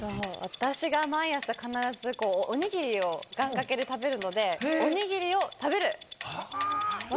私が毎朝必ず、おにぎりを願掛けで食べるのでおにぎりを食べる。